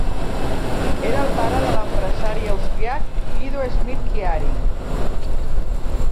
Era el pare de l'empresari austríac Guido Schmidt-Chiari.